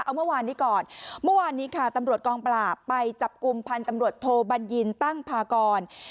เอาเมื่อวานนี้ก่อนเมื่อวานนี้ค่ะตำรวจกองปราบไปจับกลุ่มพันธุ์ตำรวจโทบัญญินตั้งพากร